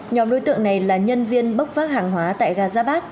nhóm đối tượng này là nhân viên bốc phát hàng hóa tại gaza park